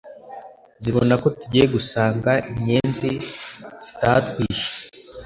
zibona ko tugiye gusanga "Inyenzi" zitatwishe.